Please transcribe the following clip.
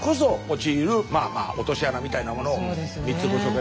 陥るまあまあ落とし穴みたいなものを３つご紹介いたしました。